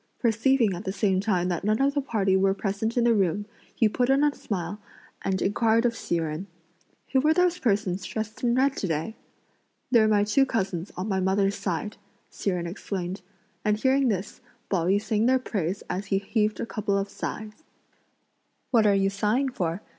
Perceiving at the same time that none of the party were present in the room, he put on a smile and inquired of Hsi Jen: "Who were those persons dressed in red to day?" "They're my two cousins on my mother's side," Hsi Jen explained, and hearing this, Pao yü sang their praise as he heaved a couple of sighs. "What are you sighing for?"